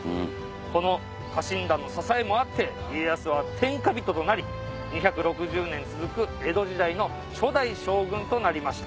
この家臣団の支えもあって家康は天下人となり２６０年続く江戸時代の初代将軍となりました。